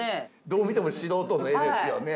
どう見ても素人の絵ですよね。